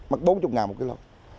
mất bốn mươi ngàn một kg